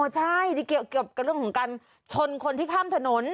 ใช่ที่เกี่ยวกับเรื่องของการชนคนที่ข้ามถนน